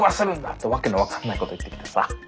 って訳の分かんないこと言ってきてさ。